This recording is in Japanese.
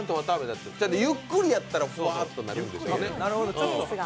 ゆっくりやったらふわーってなるんですよね。